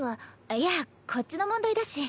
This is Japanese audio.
いやこっちの問題だし。